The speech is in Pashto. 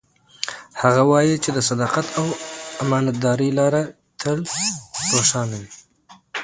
هغه وایي چې د صداقت او امانتدارۍ لار تل روښانه وي